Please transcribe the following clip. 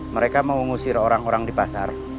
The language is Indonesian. mereka mau mengusir orang orang di pasar